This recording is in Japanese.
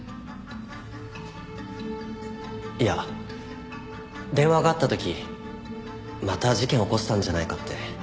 いや電話があった時また事件を起こしたんじゃないかって。